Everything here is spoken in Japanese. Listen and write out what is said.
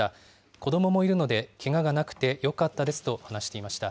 子どももいるのでけががなくてよかったですと話していました。